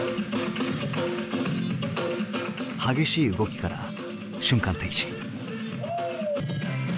激しい動きから瞬間停止。